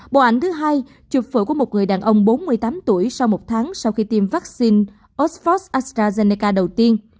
bộ ảnh thứ hai chụp phổi của một người đàn ông bốn mươi tám tuổi sau một tháng sau khi tiêm vaccine osford astrazeneca đầu tiên